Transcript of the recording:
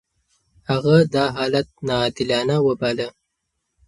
هغه دا حالت ناعادلانه وباله.